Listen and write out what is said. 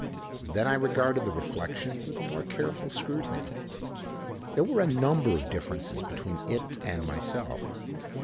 Then I regarded the reflection with a more careful scrutiny. There were a number of differences between it and myself.